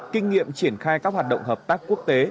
kinh nghiệm triển khai các hoạt động hợp tác quốc tế